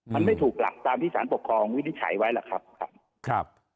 มันไม่ถูกหลักตามที่สารปกครองวินิจฉัยไว้ล่ะครับ